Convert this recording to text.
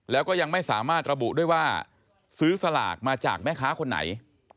แล้วก็ยังไม่สามารถระบุด้วยว่าซื้อสลากมาจากแม่ค้าคนไหน